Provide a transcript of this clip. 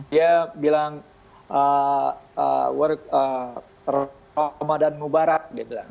dia bilang ramadan mubarak